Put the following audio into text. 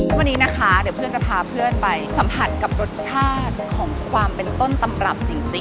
วันนี้นะคะเดี๋ยวเพื่อนจะพาเพื่อนไปสัมผัสกับรสชาติของความเป็นต้นตำรับจริง